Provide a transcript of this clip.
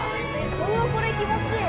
うわこれ気持ちいい。